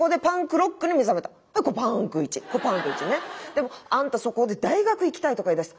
でもあんたそこで大学行きたいとか言いだした。